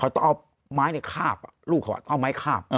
แต่เคสต้องเอาไม้ข้าบ